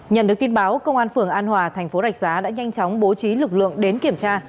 nhận được tin báo công an phường an hòa thành phố rạch giá đã nhanh chóng bố trí lực lượng đến kiểm tra